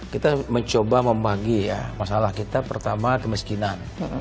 kita mencoba membagi ya masalah kita pertama kemiskinan